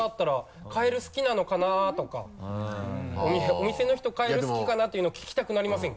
お店の人カエル好きかなっていうの聞きたくなりませんか？